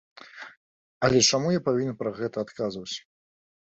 Але чаму я павінен пра гэта адказваць?